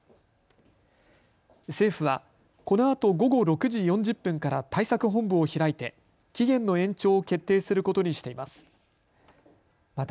政府はこのあと午後６時４０分から対策本部を開いて期限の延長を決定することにしています。